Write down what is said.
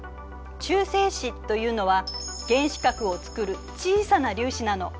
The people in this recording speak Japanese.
中性子というのは原子核をつくる小さな粒子なの。